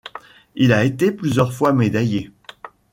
Il a été plusieurs fois médaillé.